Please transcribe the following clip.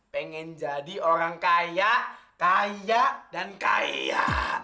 pengen jadi orang kaya kaya dan kaya